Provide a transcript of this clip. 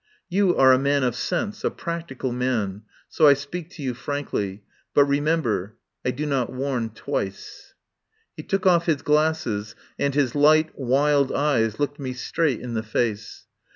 You are a man of sense, a practical man, so I speak to you frankly. But, remember, I do not warn twice." He took off his glasses, and his light, wild eyes looked me straight in the face.